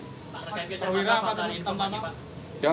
pak kayak biasa berapa hari ini tempatnya pak